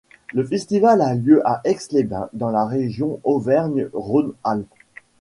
Le festival a lieu à Aix-les-Bains dans la région Auvergne-Rhône-Alpes.